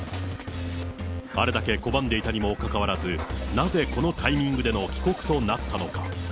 あれだけ拒んでいたにもかかわらず、なぜこのタイミングでの帰国となったのか。